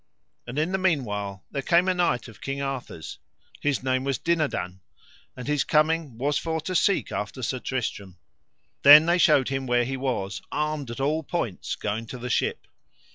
And in the meanwhile there came a knight of King Arthur's, his name was Dinadan, and his coming was for to seek after Sir Tristram; then they showed him where he was armed at all points going to the ship.